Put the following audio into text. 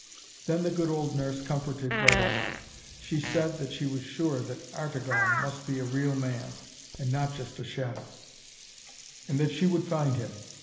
Then the good old nurse comforted Britomart. She said she was sure that Artegall must be a real man, and not just a shadow, and that she would find him.